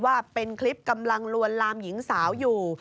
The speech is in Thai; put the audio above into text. ว่าเป็นคลิปกำลังลวนลามหญิงสาวอยู่